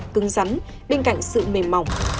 cứng rắn bên cạnh sự mềm mỏng